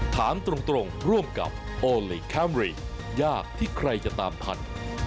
ถามตรงร่วมกับโอลี่คัมรี่ยากที่ใครจะตามทัน